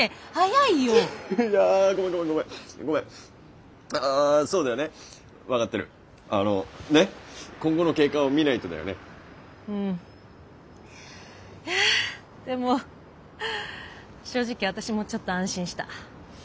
いやでも正直私もちょっと安心した。